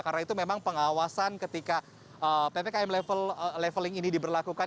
karena itu memang pengawasan ketika ppkm leveling ini diberlakukan